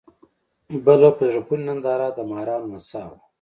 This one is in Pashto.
بله په زړه پورې ننداره د مارانو نڅا وه.